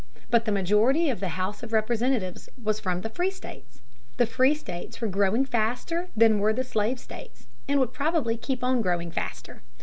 But the majority of the House of Representatives was from the free states. The free states were growing faster than were the slave states and would probably keep on growing faster.